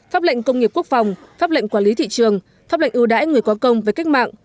pháp lệnh công nghiệp quốc phòng pháp lệnh quản lý thị trường pháp lệnh ưu đãi người có công với cách mạng